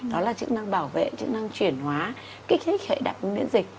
đó là chức năng bảo vệ chức năng chuyển hóa kích thích hệ đạp ứng điện dịch